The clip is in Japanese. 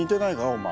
お前。